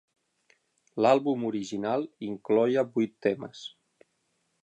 L'àlbum original incloïa vuit temes.